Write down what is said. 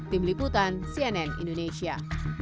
tim liputan cnn indonesia